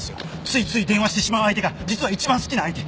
ついつい電話してしまう相手が実は一番好きな相手。